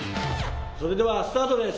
それではスタートです。